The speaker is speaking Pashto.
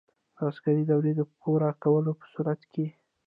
د عسکري دورې د پوره کولو په صورت کې.